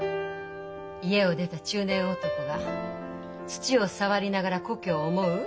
家を出た中年男が土を触りながら故郷を思う？